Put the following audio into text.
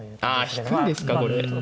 あ引くんですかこれ。